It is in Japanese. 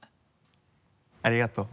ありがとう。